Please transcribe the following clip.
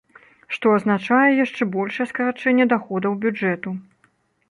Што азначае яшчэ большае скарачэнне даходаў бюджэту.